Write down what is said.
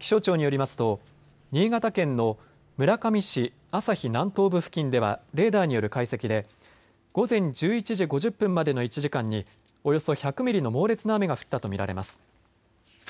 気象庁によりますと新潟県の村上市朝日南東部付近ではレーダーによる解析で午前１１時５０分までの１時間におよそ１００ミリの猛烈な雨が降ったと見られます。